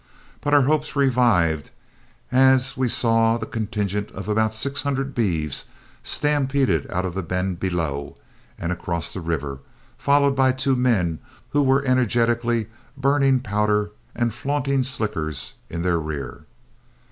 But our hopes revived as we saw the contingent of about six hundred beeves stampede out of a bend below and across the river, followed by two men who were energetically burning powder and flaunting slickers in their rear.